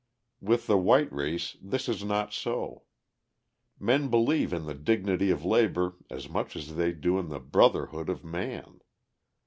With the white race this is not so. Men believe in the dignity of labor as much as they do in the brotherhood of man.